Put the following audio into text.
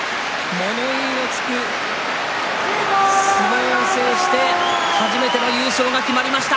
物言いがつく相撲を制して霧馬山初めての優勝が決まりました。